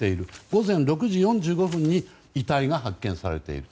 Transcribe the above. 午前６時４５分に遺体が発見されている。